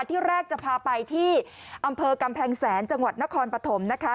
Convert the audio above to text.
ที่แรกจะพาไปที่อำเภอกำแพงแสนจังหวัดนครปฐมนะคะ